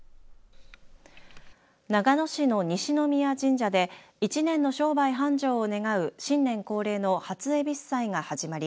長野市の西宮神社で１年の商売繁盛を願う新年恒例の初えびす祭が始まり